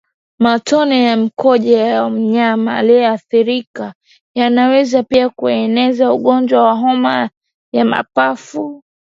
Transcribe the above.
Matone ya mkojo wa mnyama aliyeathirika yanaweza pia kueneza ugonjwa wa homa ya mapafu